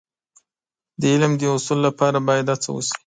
د علم د حصول لپاره باید هڅه وشي.